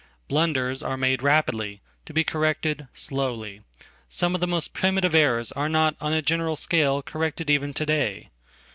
Blunders are made rapidly, to be corrected slowly; some of the most primitive errors are not, on a general scale, corrected even to day.